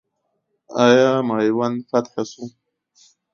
آیا میوند فتح سو؟